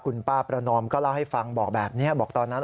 คุณป้าประนอมก็เล่าให้ฟังบอกแบบนี้บอกตอนนั้น